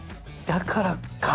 「だからか」